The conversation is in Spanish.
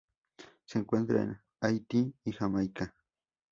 Se encuentra en Haití y Jamaica.